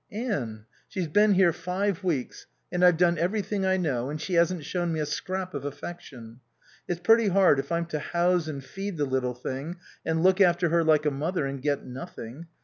"Anne. She's been here five weeks, and I've done everything I know, and she hasn't shown me a scrap of affection. It's pretty hard if I'm to house and feed the little thing and look after her like a mother and get nothing.